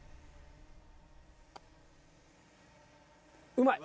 うまい。